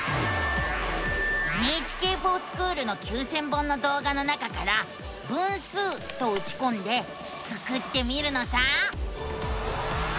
「ＮＨＫｆｏｒＳｃｈｏｏｌ」の９，０００本の動画の中から「分数」とうちこんでスクってみるのさ！